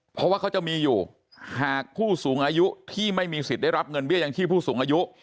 เพราะว่าเขาจะมีอยู่หากผู้สูงอายุที่ไม่มีสิทธิ์ได้รับเงินเบี้ยยังชีพผู้สูงอายุ